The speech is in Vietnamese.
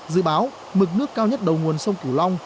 dự báo mực nước cao nhất đầu nguồn sông cửu long